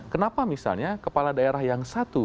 kenapa misalnya kepala daerah yang satu